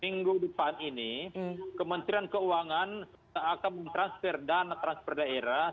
minggu depan ini kementerian keuangan akan mentransfer dana transfer daerah